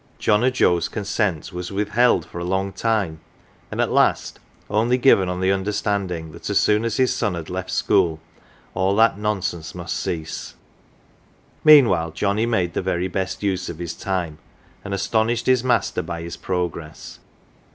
John o" 1 Joe's consent was with held for a long time, and at last only given on the understanding that as soon as his son had left school all that nonsense must cease. Meanwhile Johnnie made the very best use of his time and astonished his master by his progress.